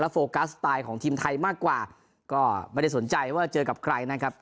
โฟกัสสไตล์ของทีมไทยมากกว่าก็ไม่ได้สนใจว่าเจอกับใครนะครับ